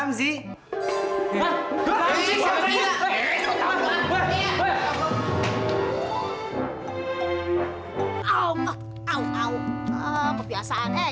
amg sahabat kita makasih sendiri siangnya cinta cinta juga bener bener